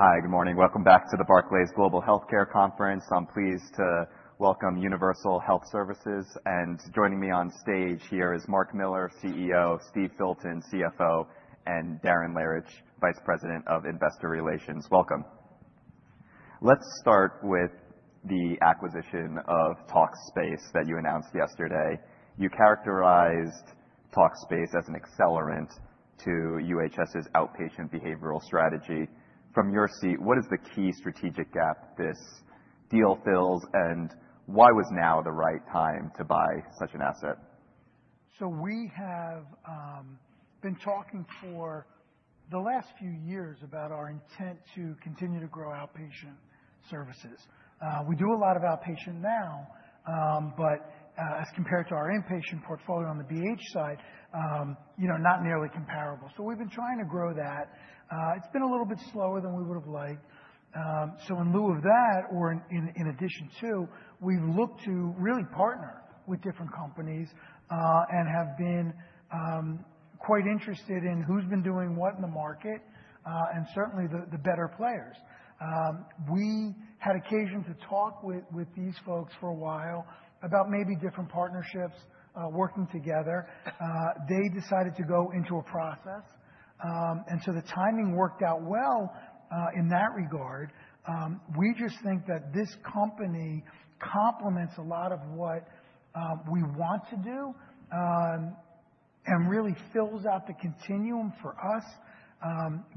Hi, good morning. Welcome back to the Barclays Global Healthcare Conference. I'm pleased to welcome Universal Health Services, and joining me on stage here is Marc D. Miller, CEO, Steve G. Filton, CFO, and Darren Lehrich, Vice President of Investor Relations. Welcome. Let's start with the acquisition of Talkspace that you announced yesterday. You characterized Talkspace as an accelerant to UHS's outpatient behavioral strategy. From your seat, what is the key strategic gap this deal fills, and why was now the right time to buy such an asset? We have been talking for the last few years about our intent to continue to grow outpatient services. We do a lot of outpatient now, but as compared to our inpatient portfolio on the BH side, you know, not nearly comparable. We've been trying to grow that. It's been a little bit slower than we would have liked. In lieu of that, or in addition to, we look to really partner with different companies, and have been quite interested in who's been doing what in the market, and certainly the better players. We had occasion to talk with these folks for a while about maybe different partnerships, working together. They decided to go into a process. The timing worked out well in that regard. We just think that this company complements a lot of what we want to do and really fills out the continuum for us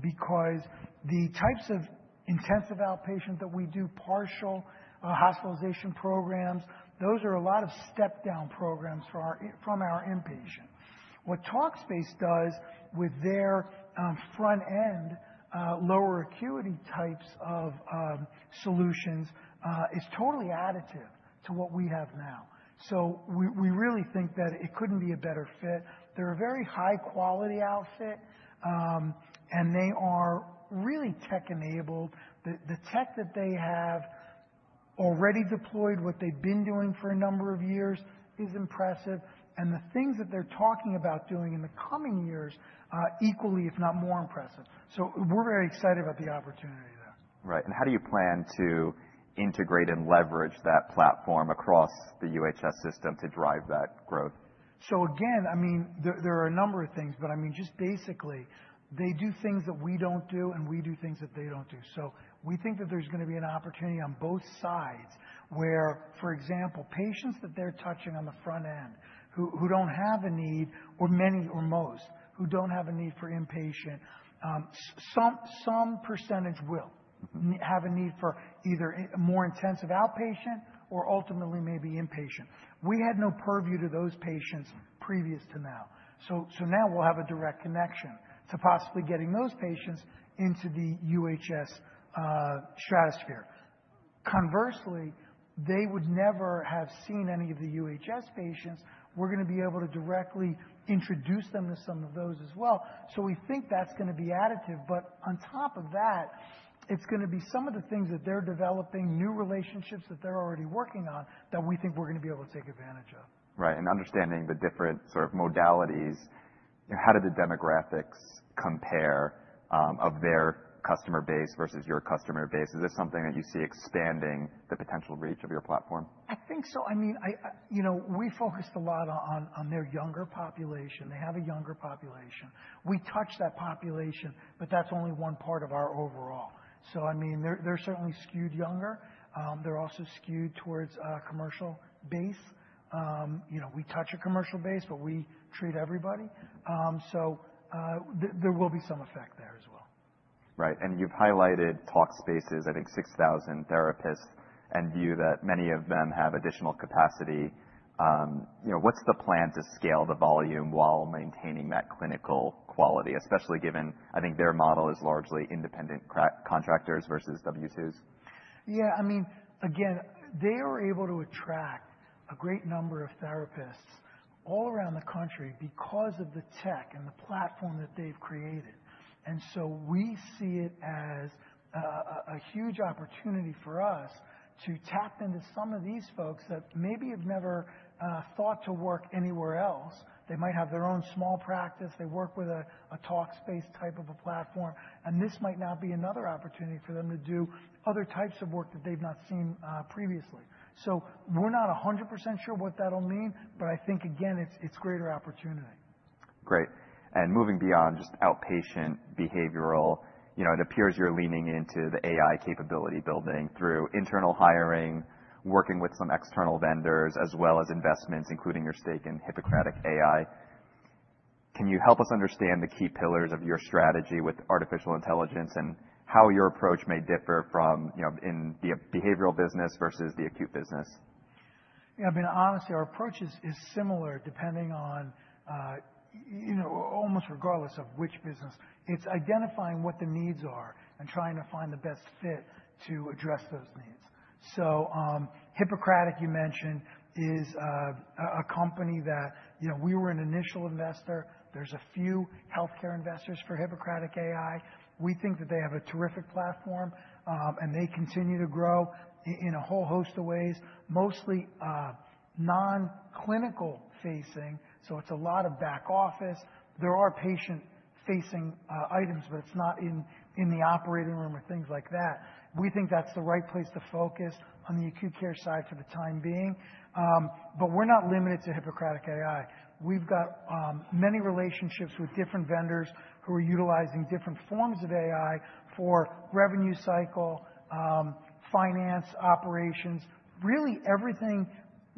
because the types of intensive outpatient that we do, partial hospitalization programs, those are a lot of step-down programs from our inpatient. What Talkspace does with their front end lower acuity types of solutions is totally additive to what we have now. We really think that it couldn't be a better fit. They're a very high quality outfit and they are really tech-enabled. The tech that they have already deployed, what they've been doing for a number of years is impressive. The things that they're talking about doing in the coming years are equally, if not more impressive. We're very excited about the opportunity there. Right. How do you plan to integrate and leverage that platform across the UHS system to drive that growth? Again, I mean, there are a number of things, but I mean, just basically, they do things that we don't do, and we do things that they don't do. We think that there's gonna be an opportunity on both sides, where, for example, patients that they're touching on the front end who don't have a need or many or most who don't have a need for inpatient, some percentage will have a need for either more intensive outpatient or ultimately maybe inpatient. We had no purview to those patients previous to now. Now we'll have a direct connection to possibly getting those patients into the UHS stratosphere. Conversely, they would never have seen any of the UHS patients. We're gonna be able to directly introduce them to some of those as well. We think that's gonna be additive, but on top of that, it's gonna be some of the things that they're developing, new relationships that they're already working on that we think we're gonna be able to take advantage of. Right. Understanding the different sort of modalities, how do the demographics compare of their customer base versus your customer base? Is this something that you see expanding the potential reach of your platform? I think so. I mean, you know, we focused a lot on their younger population. They have a younger population. We touch that population, but that's only one part of our overall. I mean, they're certainly skewed younger. They're also skewed towards a commercial base. You know, we touch a commercial base, but we treat everybody. So there will be some effect there as well. Right. You've highlighted Talkspace's, I think, 6,000 therapists and you view that many of them have additional capacity. You know, what's the plan to scale the volume while maintaining that clinical quality? Especially given, I think, their model is largely independent contractors versus W-2s. Yeah, I mean, again, they are able to attract a great number of therapists all around the country because of the tech and the platform that they've created. We see it as a huge opportunity for us to tap into some of these folks that maybe have never thought to work anywhere else. They might have their own small practice. They work with a Talkspace type of a platform, and this might now be another opportunity for them to do other types of work that they've not seen previously. We're not a hundred percent sure what that'll mean, I think again, it's greater opportunity. Great. Moving beyond just outpatient behavioral, you know, it appears you're leaning into the AI capability building through internal hiring, working with some external vendors, as well as investments, including your stake in Hippocratic AI. Can you help us understand the key pillars of your strategy with artificial intelligence and how your approach may differ from, you know, in the behavioral business versus the acute business? Yeah, I mean, honestly, our approach is similar depending on, you know, almost regardless of which business. It's identifying what the needs are and trying to find the best fit to address those needs. Hippocratic, you mentioned, is a company that, you know, we were an initial investor. There's a few healthcare investors for Hippocratic AI. We think that they have a terrific platform. They continue to grow in a whole host of ways, mostly non-clinical facing, so it's a lot of back office. There are patient-facing items, but it's not in the operating room or things like that. We think that's the right place to focus on the acute care side for the time being. We're not limited to Hippocratic AI. We've got many relationships with different vendors who are utilizing different forms of AI for revenue cycle, finance, operations, really everything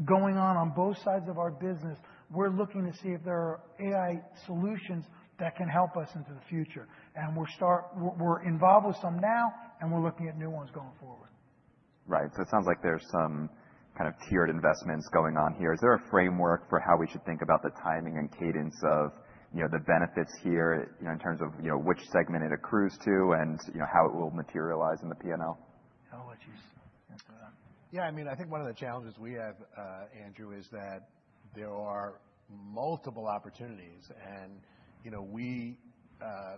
going on on both sides of our business. We're looking to see if there are AI solutions that can help us into the future. We're involved with some now, and we're looking at new ones going forward. Right. It sounds like there's some kind of tiered investments going on here. Is there a framework for how we should think about the timing and cadence of, you know, the benefits here, you know, in terms of, you know, which segment it accrues to and, you know, how it will materialize in the P&L? I'll let you answer that. Yeah, I mean, I think one of the challenges we have, Andrew, is that there are multiple opportunities and, you know, we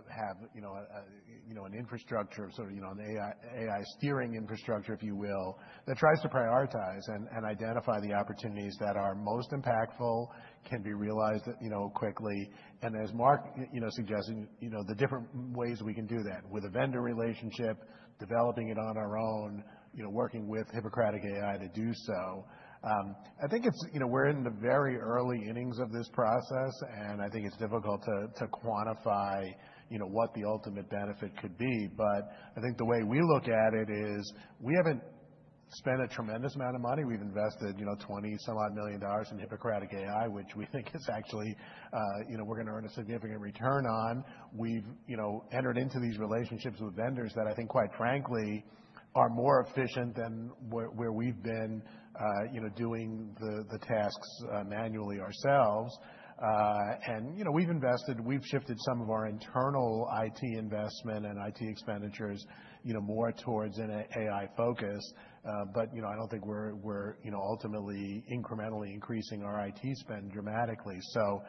have, you know, an infrastructure sort of, you know, an AI steering infrastructure, if you will, that tries to prioritize and identify the opportunities that are most impactful, can be realized, you know, quickly. As Mark suggested, you know, the different ways we can do that, with a vendor relationship, developing it on our own, you know, working with Hippocratic AI to do so. I think it's, you know, we're in the very early innings of this process, and I think it's difficult to quantify, you know, what the ultimate benefit could be. I think the way we look at it is we haven't spent a tremendous amount of money. We've invested, you know, $20-some-odd million in Hippocratic AI, which we think is actually, you know, we're gonna earn a significant return on. We've, you know, entered into these relationships with vendors that I think, quite frankly, are more efficient than where we've been, you know, doing the tasks manually ourselves. You know, we've invested, we've shifted some of our internal IT investment and IT expenditures, you know, more towards an AI focus. But, you know, I don't think we're, you know, ultimately incrementally increasing our IT spend dramatically. So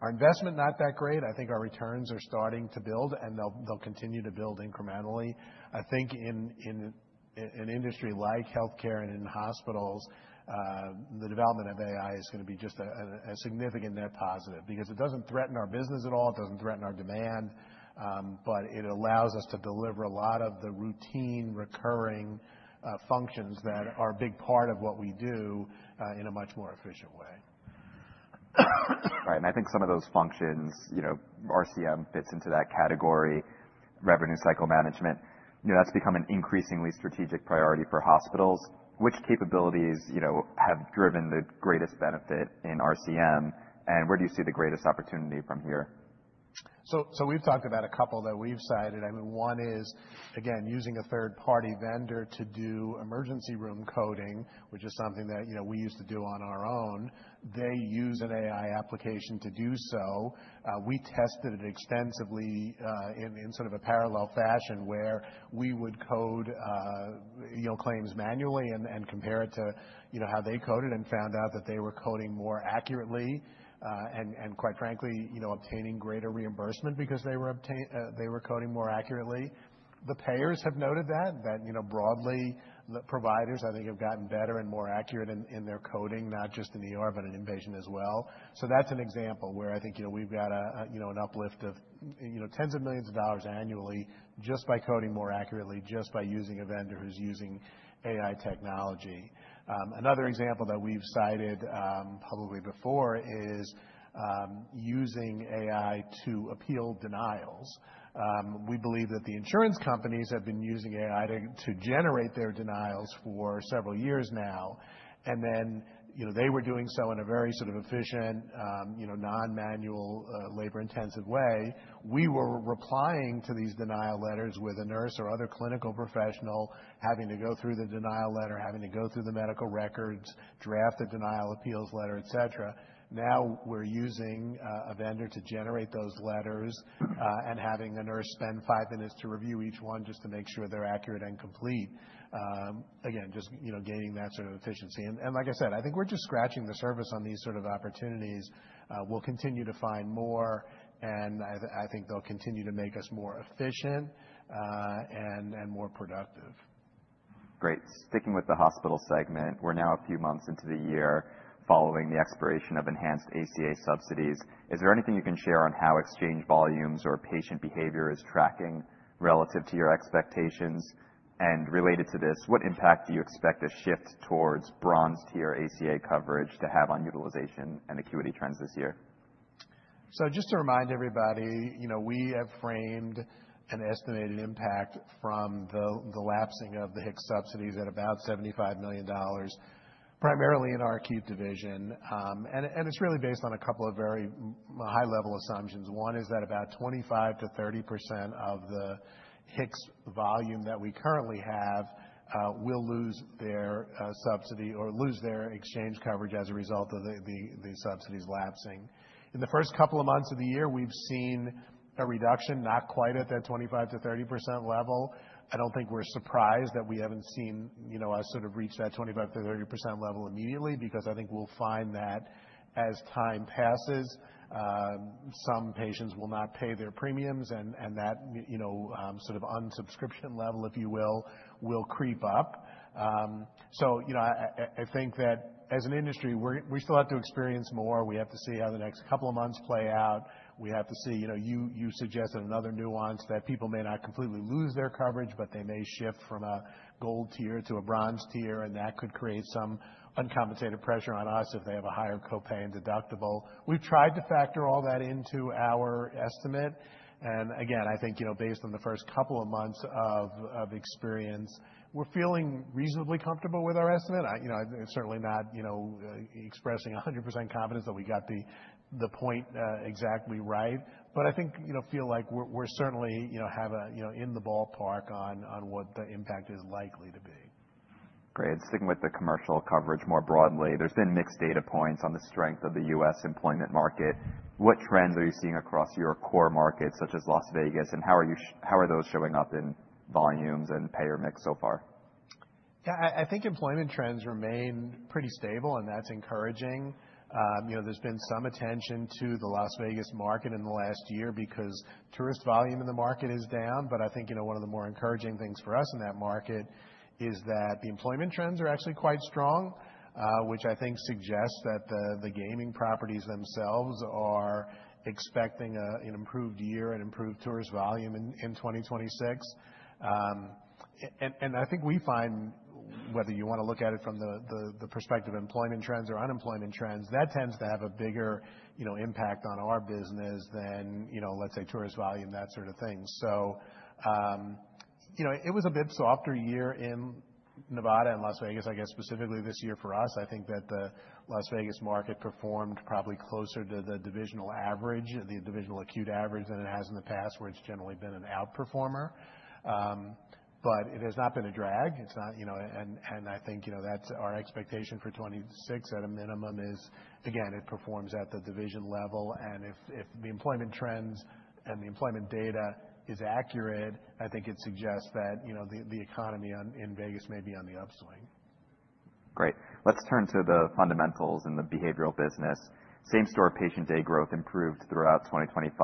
our investment, not that great. I think our returns are starting to build, and they'll continue to build incrementally. I think in industry like healthcare and in hospitals, the development of AI is gonna be just a significant net positive because it doesn't threaten our business at all, it doesn't threaten our demand, but it allows us to deliver a lot of the routine recurring functions that are a big part of what we do in a much more efficient way. Right. I think some of those functions, you know, RCM fits into that category, Revenue Cycle Management. You know, that's become an increasingly strategic priority for hospitals. Which capabilities, you know, have driven the greatest benefit in RCM, and where do you see the greatest opportunity from here? We've talked about a couple that we've cited. I mean, one is, again, using a third-party vendor to do emergency room coding, which is something that, you know, we used to do on our own. They use an AI application to do so. We tested it extensively in sort of a parallel fashion where we would code, you know, claims manually and compare it to, you know, how they coded and found out that they were coding more accurately, and quite frankly, you know, obtaining greater reimbursement because they were coding more accurately. The payers have noted that, you know, broadly large providers, I think, have gotten better and more accurate in their coding, not just in the OR, but in inpatient as well. That's an example where I think, you know, we've got a, you know, an uplift of tens of millions of dollars annually just by coding more accurately, just by using a vendor who's using AI technology. Another example that we've cited, probably before, is using AI to appeal denials. We believe that the insurance companies have been using AI to generate their denials for several years now, and then, you know, they were doing so in a very sort of efficient, you know, non-manual labor-intensive way. We were replying to these denial letters with a nurse or other clinical professional having to go through the denial letter, having to go through the medical records, draft the denial appeals letter, etc. Now we're using a vendor to generate those letters and having a nurse spend five minutes to review each one just to make sure they're accurate and complete. Again, just, you know, gaining that sort of efficiency. Like I said, I think we're just scratching the surface on these sort of opportunities. We'll continue to find more, and I think they'll continue to make us more efficient and more productive. Great. Sticking with the hospital segment, we're now a few months into the year following the expiration of enhanced ACA subsidies. Is there anything you can share on how exchange volumes or patient behavior is tracking relative to your expectations? Related to this, what impact do you expect a shift towards Bronze tier ACA coverage to have on utilization and acuity trends this year? Just to remind everybody, you know, we have framed an estimated impact from the lapsing of the HIX subsidies at about $75 million, primarily in our acute division. It's really based on a couple of very high-level assumptions. One is that about 25%-30% of the HIX volume that we currently have will lose their subsidy or lose their exchange coverage as a result of the subsidies lapsing. In the first couple of months of the year, we've seen a reduction, not quite at that 25%-30% level. I don't think we're surprised that we haven't seen, you know, us sort of reach that 25%-30% level immediately because I think we'll find that as time passes, some patients will not pay their premiums and that, you know, sort of unsubscription level, if you will creep up. You know, I think that as an industry, we still have to experience more. We have to see how the next couple of months play out. We have to see, you know, you suggested another nuance that people may not completely lose their coverage, but they may shift from a Gold tier to a Bronze tier, and that could create some uncompensated pressure on us if they have a higher co-pay and deductible. We've tried to factor all that into our estimate, and again, I think, you know, based on the first couple of months of experience, we're feeling reasonably comfortable with our estimate. I, you know, I'm certainly not, you know, expressing 100% confidence that we got the point exactly right. I think, you know, feel like we're certainly, you know, have a, you know, in the ballpark on what the impact is likely to be. Great. Sticking with the commercial coverage more broadly, there's been mixed data points on the strength of the U.S. employment market. What trends are you seeing across your core markets, such as Las Vegas, and how are those showing up in volumes and payer mix so far? Yeah, I think employment trends remain pretty stable, and that's encouraging. You know, there's been some attention to the Las Vegas market in the last year because tourist volume in the market is down. I think, you know, one of the more encouraging things for us in that market is that the employment trends are actually quite strong, which I think suggests that the gaming properties themselves are expecting an improved year and improved tourist volume in 2026. I think we find whether you wanna look at it from the perspective employment trends or unemployment trends, that tends to have a bigger, you know, impact on our business than, you know, let's say, tourist volume, that sort of thing. You know, it was a bit softer year in Nevada and Las Vegas, I guess, specifically this year for us. I think that the Las Vegas market performed probably closer to the divisional average, the divisional acute average than it has in the past, where it's generally been an outperformer. It has not been a drag. It's not, you know, and I think, you know, that's our expectation for 2026 at a minimum is, again, it performs at the division level. If the employment trends and the employment data is accurate, I think it suggests that, you know, the economy in Vegas may be on the upswing. Great. Let's turn to the fundamentals in the behavioral business. Same-store patient day growth improved throughout 2025,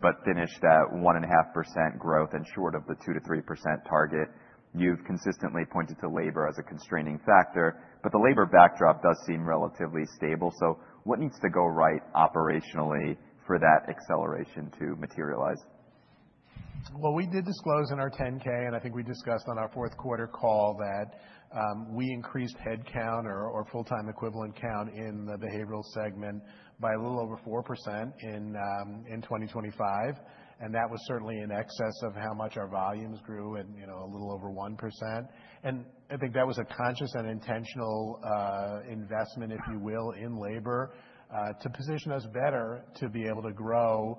but finished at 1.5% growth and short of the 2%-3% target. You've consistently pointed to labor as a constraining factor, but the labor backdrop does seem relatively stable. What needs to go right operationally for that acceleration to materialize? Well, we did disclose in our 10-K, and I think we discussed on our fourth quarter call that we increased headcount or full-time equivalent count in the behavioral segment by a little over 4% in 2025, and that was certainly in excess of how much our volumes grew and, you know, a little over 1%. I think that was a conscious and intentional investment, if you will, in labor to position us better to be able to grow,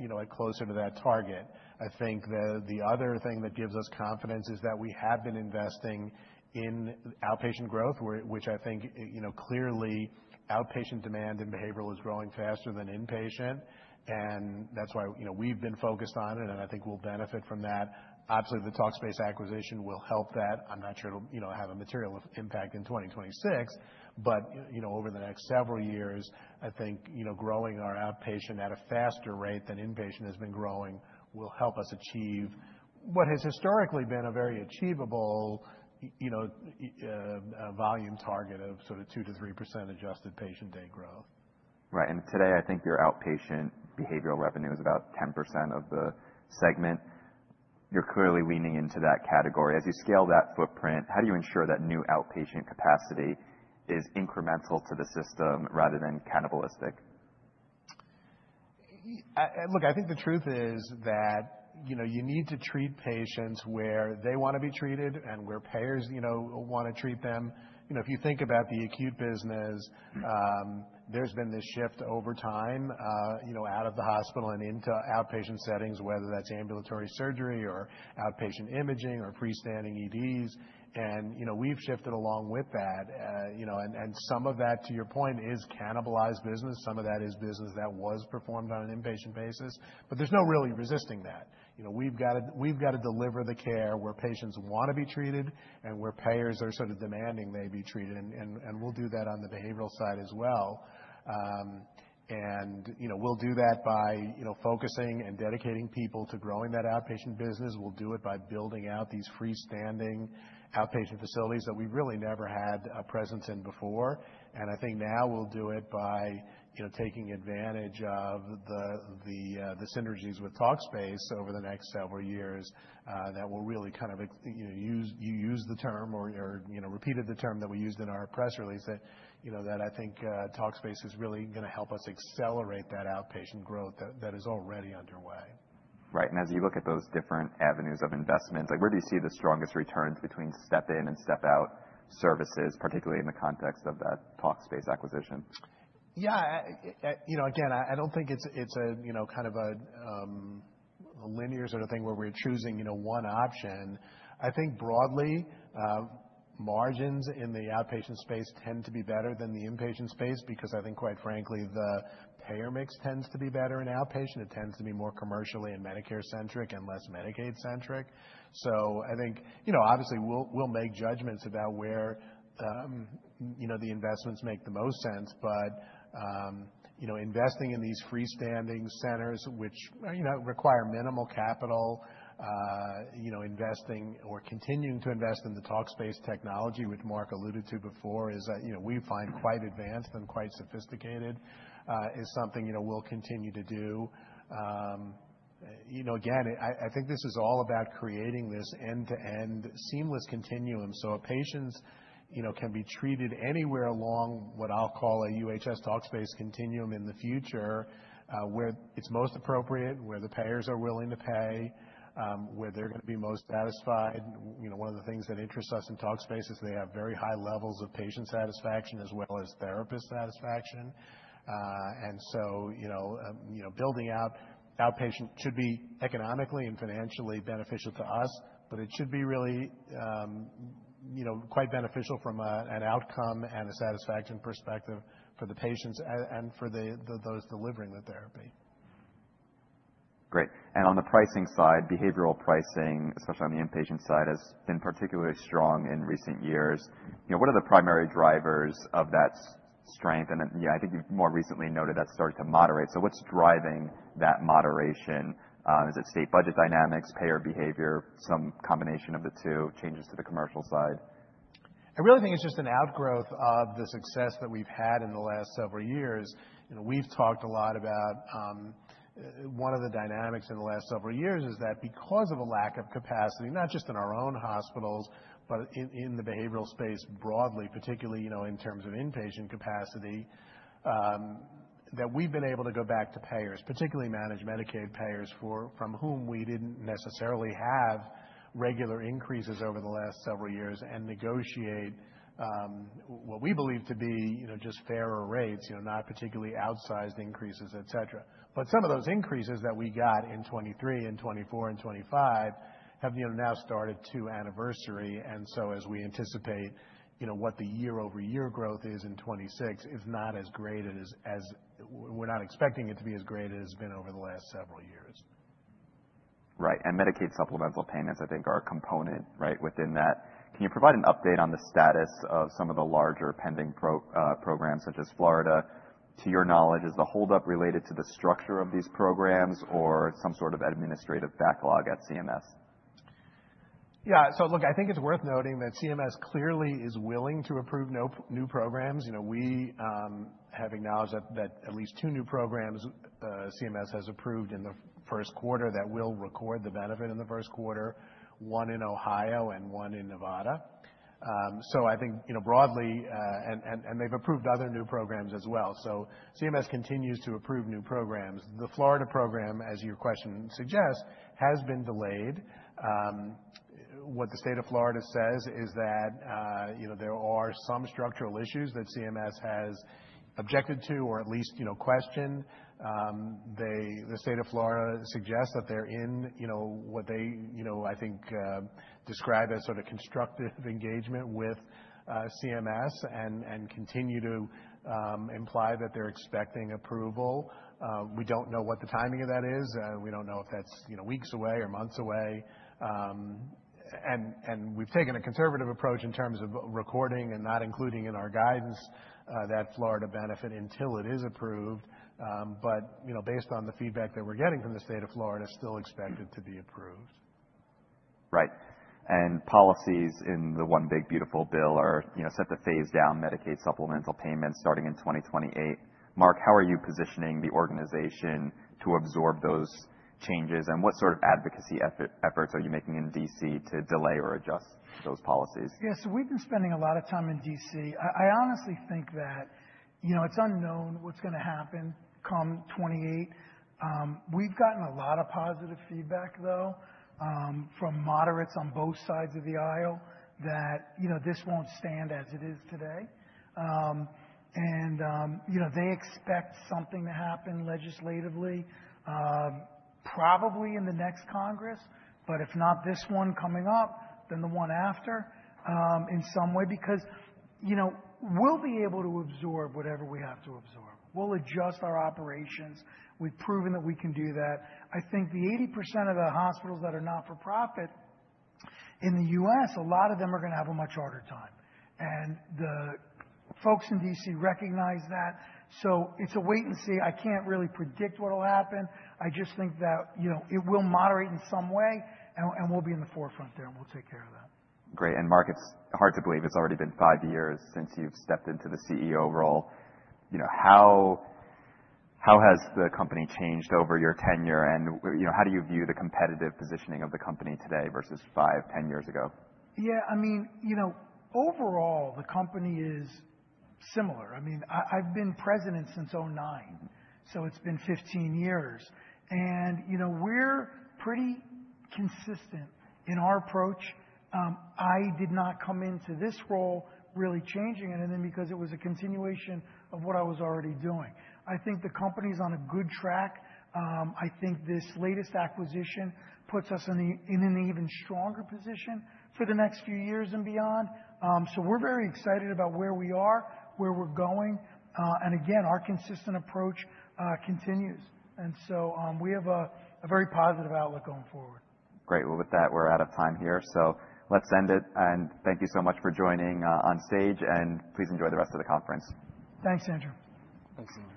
you know, closer to that target. I think the other thing that gives us confidence is that we have been investing in outpatient growth, which I think, you know, clearly outpatient demand and behavioral is growing faster than inpatient, and that's why, you know, we've been focused on it, and I think we'll benefit from that. Obviously, the Talkspace acquisition will help that. I'm not sure it'll, you know, have a material impact in 2026. you know, over the next several years, I think, you know, growing our outpatient at a faster rate than inpatient has been growing will help us achieve what has historically been a very achievable, you know, volume target of sort of 2%-3% adjusted patient day growth. Right. Today, I think your outpatient behavioral revenue is about 10% of the segment. You're clearly leaning into that category. As you scale that footprint, how do you ensure that new outpatient capacity is incremental to the system rather than cannibalistic? Look, I think the truth is that, you know, you need to treat patients where they wanna be treated and where payers, you know, wanna treat them. You know, if you think about the acute business, there's been this shift over time, you know, out of the hospital and into outpatient settings, whether that's ambulatory surgery or outpatient imaging or freestanding EDs. You know, we've shifted along with that. You know, some of that, to your point, is cannibalized business. Some of that is business that was performed on an inpatient basis. There's really no resisting that. You know, we've gotta deliver the care where patients wanna be treated and where payers are sort of demanding they be treated, and we'll do that on the behavioral side as well. You know, we'll do that by, you know, focusing and dedicating people to growing that outpatient business. We'll do it by building out these freestanding outpatient facilities that we really never had a presence in before. I think now we'll do it by, you know, taking advantage of the synergies with Talkspace over the next several years that will really kind of, you know, you used the term or, you know, repeated the term that we used in our press release that, you know, that I think Talkspace is really gonna help us accelerate that outpatient growth that is already underway. Right. As you look at those different avenues of investment, like, where do you see the strongest returns between step-in and step-out services, particularly in the context of that Talkspace acquisition? Yeah. You know, again, I don't think it's a, you know, kind of a linear sort of thing where we're choosing, you know, one option. I think broadly, margins in the outpatient space tend to be better than the inpatient space because I think quite frankly, the payer mix tends to be better in outpatient. It tends to be more commercially and Medicare-centric and less Medicaid-centric. I think, you know, obviously we'll make judgments about where, you know, the investments make the most sense. But, you know, investing in these freestanding centers, which, you know, require minimal capital, you know, investing or continuing to invest in the Talkspace technology, which Marc alluded to before, is, you know, we find quite advanced and quite sophisticated, is something, you know, we'll continue to do. You know, again, I think this is all about creating this end-to-end seamless continuum, so patients, you know, can be treated anywhere along what I'll call a UHS Talkspace continuum in the future, where it's most appropriate, where the payers are willing to pay, where they're gonna be most satisfied. You know, one of the things that interests us in Talkspace is they have very high levels of patient satisfaction as well as therapist satisfaction. You know, building out outpatient should be economically and financially beneficial to us, but it should be really, you know, quite beneficial from an outcome and a satisfaction perspective for the patients and for those delivering the therapy. Great. On the pricing side, behavioral pricing, especially on the inpatient side, has been particularly strong in recent years. You know, what are the primary drivers of that strength? Yeah, I think you've more recently noted that started to moderate. What's driving that moderation? Is it state budget dynamics, payer behavior, some combination of the two, changes to the commercial side? I really think it's just an outgrowth of the success that we've had in the last several years. You know, we've talked a lot about, one of the dynamics in the last several years is that because of a lack of capacity, not just in our own hospitals, but in the behavioral space broadly, particularly, you know, in terms of inpatient capacity, that we've been able to go back to payers, particularly managed Medicaid payers from whom we didn't necessarily have regular increases over the last several years and negotiate, what we believe to be, you know, just fairer rates, you know, not particularly outsized increases, et cetera. Some of those increases that we got in 2023 and 2024 and 2025 have, you know, now started to anniversary. As we anticipate, you know, what the year-over-year growth is in 2026 is not as great as we're not expecting it to be as great as it's been over the last several years. Right. Medicaid supplemental payments, I think, are a component, right, within that. Can you provide an update on the status of some of the larger pending programs such as Florida? To your knowledge, is the holdup related to the structure of these programs or some sort of administrative backlog at CMS? Yeah. Look, I think it's worth noting that CMS clearly is willing to approve new programs. You know, we have acknowledged that at least two new programs CMS has approved in the first quarter that we'll record the benefit in the first quarter, one in Ohio and one in Nevada. I think, you know, broadly, and they've approved other new programs as well. CMS continues to approve new programs. The Florida program, as your question suggests, has been delayed. What the state of Florida says is that, you know, there are some structural issues that CMS has objected to or at least, you know, questioned. The state of Florida suggests that they're in, you know, what they, you know, I think, describe as sort of constructive engagement with CMS and continue to imply that they're expecting approval. We don't know what the timing of that is. We don't know if that's, you know, weeks away or months away. We've taken a conservative approach in terms of recording and not including in our guidance, that Florida benefit until it is approved. Based on the feedback that we're getting from the state of Florida, still expect it to be approved. Right. Policies in the One Big Beautiful Bill Act are, you know, set to phase down Medicaid supplemental payments starting in 2028. Marc D. Miller, how are you positioning the organization to absorb those changes, and what sort of advocacy efforts are you making in D.C. to delay or adjust those policies? Yeah. We've been spending a lot of time in D.C. I honestly think that, you know, it's unknown what's gonna happen come 2028. We've gotten a lot of positive feedback, though, from moderates on both sides of the aisle that, you know, this won't stand as it is today. They expect something to happen legislatively, probably in the next Congress, but if not this one coming up, then the one after, in some way. Because, you know, we'll be able to absorb whatever we have to absorb. We'll adjust our operations. We've proven that we can do that. I think the 80% of the hospitals that are not-for-profit in the U.S., a lot of them are gonna have a much harder time. The folks in D.C. recognize that. It's a wait and see. I can't really predict what'll happen. I just think that, you know, it will moderate in some way and we'll be in the forefront there, and we'll take care of that. Great. Marc, it's hard to believe it's already been five years since you've stepped into the CEO role. You know, how has the company changed over your tenure? You know, how do you view the competitive positioning of the company today versus five, 10 years ago? Yeah, I mean, you know, overall, the company is similar. I mean, I've been president since 2009, so it's been 15 years. You know, we're pretty consistent in our approach. I did not come into this role really changing anything because it was a continuation of what I was already doing. I think the company's on a good track. I think this latest acquisition puts us in an even stronger position for the next few years and beyond. We're very excited about where we are, where we're going, and again, our consistent approach continues. We have a very positive outlook going forward. Great. Well, with that, we're out of time here, so let's end it, and thank you so much for joining on stage, and please enjoy the rest of the conference. Thanks, Andrew. Thanks, Andrew.